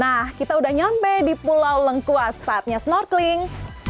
nah kita sudah sampai di pulau lengkuas saatnya snorkeling